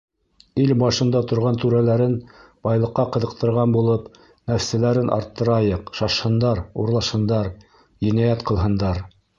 Ил башында торған түрәләрен байлыҡҡа ҡыҙыҡтырған булып, нәфселәрен арттырайыҡ, шашһындар, урлашһындар, енәйәт ҡылһындар.